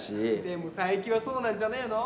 でも佐伯はそうなんじゃねえの？